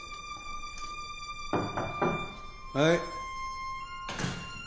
はい。